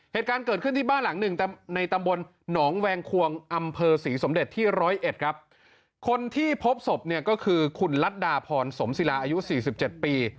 เหตุการณ์เกิดขึ้นที่บ้านหลังหนึ่งในตำบลหนองแวงควงอำเภอศรีสมเด็จที่ร้อยเอ็ดครับคนที่พบศพเนี่ยก็คือคุณลัดดาพรสมศิลาอายุสี่สิบเจ็ดปี